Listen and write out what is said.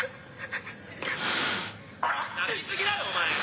「泣きすぎだよお前！